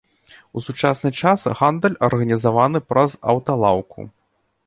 У сучасны час гандаль арганізаваны праз аўталаўку.